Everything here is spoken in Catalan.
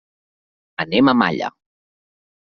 Anem a Malla.